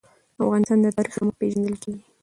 افغانستان د تاریخ له مخې پېژندل کېږي.